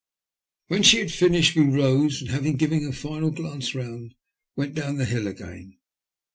When she had finished we rose, and having given a final glance round, went down the hill again.